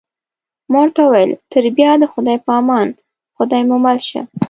ما ورته وویل: تر بیا د خدای په امان، خدای مو مل شه.